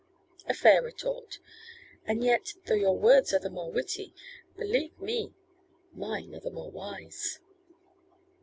'A fair retort; and yet, though your words are the more witty, believe me, mine are the more wise.